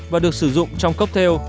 và được sử dụng trong cocktail